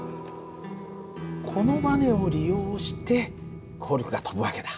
このバネを利用してコルクが飛ぶ訳だ。